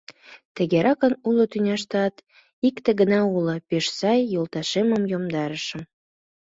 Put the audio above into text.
Тыгеракын, уло тӱняштат икте гына улшо пеш сай йолташемым йомдарышым.